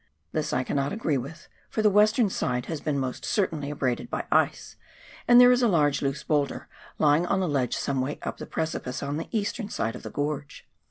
This I cannot agree with, for the West ern side has been most certainly abraded by ice, and there is a large loose boulder lying on a ledge some way up the precipice on the eastern side of the gorge.